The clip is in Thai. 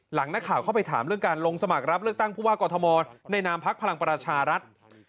หลังนักข่าวเข้าไปถามเรื่องการลงสมัครรับเลือกตั้งผู้ว่ากอทมในนามพักพลังประชารัฐ